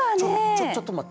ちょちょっと待ってね！